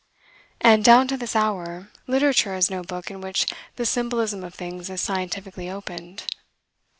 And, down to this hour, literature has no book in which the symbolism of things is scientifically opened.